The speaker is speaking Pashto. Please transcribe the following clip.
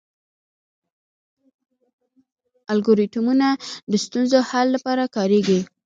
الګوریتمونه د ستونزو حل لپاره کارېږي.